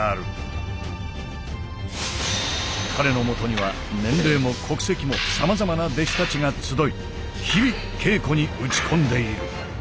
彼のもとには年齢も国籍もさまざまな弟子たちが集い日々稽古に打ち込んでいる。